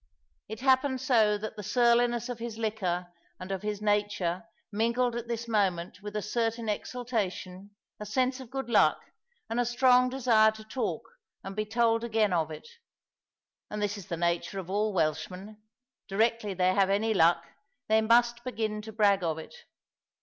It happened so that the surliness of his liquor and of his nature mingled at this moment with a certain exultation, a sense of good luck, and a strong desire to talk and be told again of it. And this is the nature of all Welshmen; directly they have any luck, they must begin to brag of it.